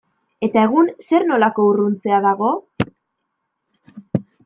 Eta egun zer nolako urruntzea dago?